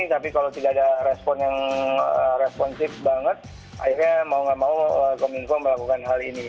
tapi kalau tidak ada respon yang responsif banget akhirnya mau gak mau kominfo melakukan hal ini